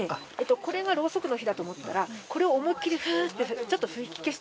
これがろうそくの火だと思ったら、これを思いっきり、ふーっと、ふー。